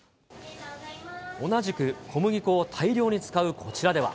同じく小麦粉を大量に使うこちらでは。